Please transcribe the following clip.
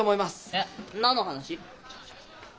えっ何の話？